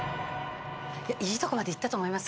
いいとこまでいったと思いますよ。